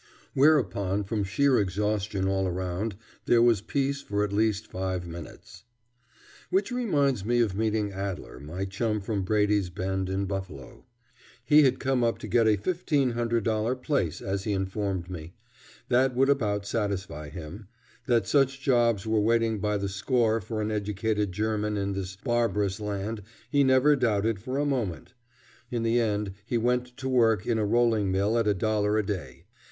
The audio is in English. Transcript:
Whereupon, from sheer exhaustion all round, there was peace for at least five minutes. Which reminds me of meeting Adler, my chum from Brady's Bend, in Buffalo. He had come up to get a $1500 place, as he informed me. That would about satisfy him. That such jobs were waiting by the score for an educated German in this barbarous land he never doubted for a moment. In the end he went to work in a rolling mill at a dollar a day.